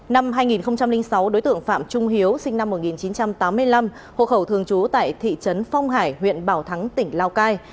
năm hai nghìn sáu đối tượng phạm trung hiếu sinh năm một nghìn chín trăm tám mươi năm hộ khẩu thường trú tại thị trấn phong hải huyện bảo thắng tỉnh lào cai